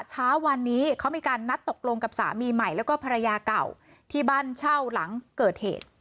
เช้าวันนี้เขามีการนัดตกลงกับสามีใหม่แล้วก็ภรรยาเก่าที่บ้านเช่าหลังเกิดเหตุ